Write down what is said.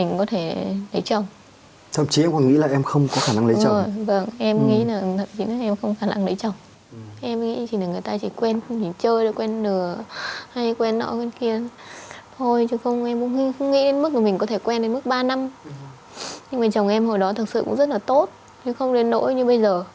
nhưng mà chồng em hồi đó thật sự cũng rất là tốt chứ không đến nỗi như bây giờ